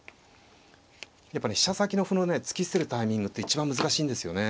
やっぱね飛車先の歩のね突き捨てるタイミングって一番難しいんですよね。